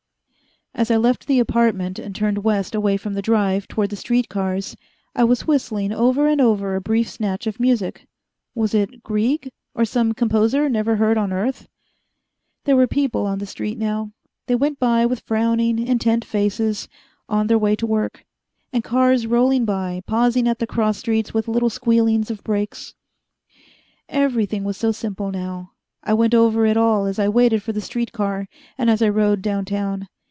As I left the apartment, and turned west away from the Drive, toward the street cars, I was whistling over and over a brief snatch of music. Was it Grieg? Or some composer never heard on earth? There were people on the street now. They went by with frowning, intent faces on their way to work. And cars rolling by, pausing at the cross streets with little squealings of brakes. Everything was so simple now. I went over it all as I waited for the street car, and as I rode down town.